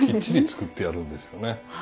きっちり作ってあるんですよね。